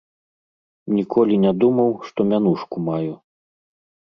Ніколі не думаў, што мянушку маю.